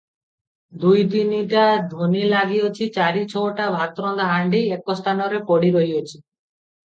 ଦୁଇ ତିନିଟା ଧୂନି ଲାଗିଅଛି, ଚାରି ଛଅଟା ଭାତରନ୍ଧା ହାଣ୍ଡି ଏକ ସ୍ଥାନରେ ପଡି ରହିଅଛି ।